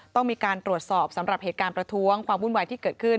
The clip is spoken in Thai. ต้องมีการตรวจสอบสำหรับเหตุการณ์ประท้วงความวุ่นวายที่เกิดขึ้น